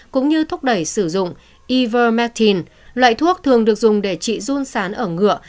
cũng như thúc đẩy sử dụng ivermectin loại thuốc thường được dùng để trị run sán ở ngựa